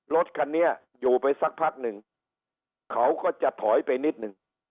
รถคันนี้อยู่ไปสักพักหนึ่งเขาก็จะถอยไปนิดนึง